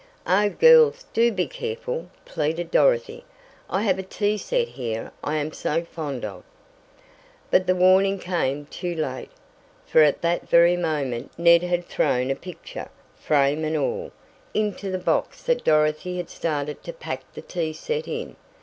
"Oh, girls, do be careful!" pleaded Dorothy. "I have a tea set here I am so fond of " But the warning came too late, for at that very moment Ned had thrown a picture, frame and all, into the box that Dorothy had started to pack the tea set in.